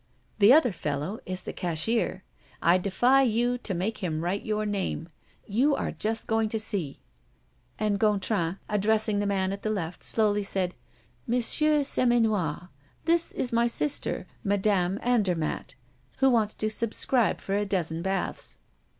The other fellow is the cashier. I defy you to make him write your name. You are just going to see." And Gontran, addressing the man at the left, slowly said: "Monsieur Seminois, this is my sister, Madame Andermatt, who wants to subscribe for a dozen baths."